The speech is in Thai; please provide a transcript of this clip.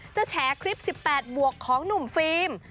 จะแชร์คลิป๑๘บวกของหนุ่มฟรีม